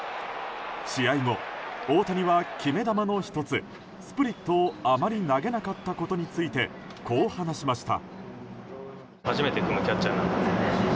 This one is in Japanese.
試合後、大谷は決め球の１つスプリットをあまり投げなかったことについてこう話しました。